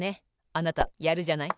あなたやるじゃない。